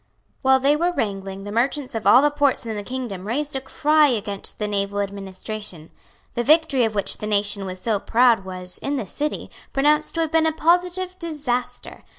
While they were wrangling, the merchants of all the ports in the kingdom raised a cry against the naval administration. The victory of which the nation was so proud was, in the City, pronounced to have been a positive disaster.